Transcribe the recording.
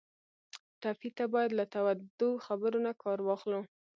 ټپي ته باید له تودو خبرو نه کار واخلو.